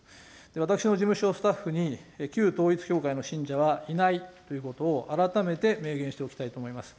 私の事務所スタッフに旧統一教会の信者はいないということを改めて明言しておきたいと思います。